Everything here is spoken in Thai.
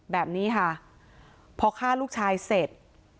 แบบนี้ค่ะพอฆ่าลูกชายเสร็จ